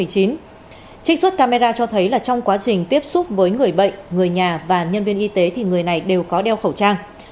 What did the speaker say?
trích xuất camera cho thấy là trong quá trình tiếp xúc với người bệnh người nhà và nhân viên y tế thì người này đều có điều kiện